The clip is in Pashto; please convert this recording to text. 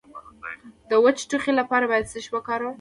د وچ ټوخي لپاره باید څه شی وکاروم؟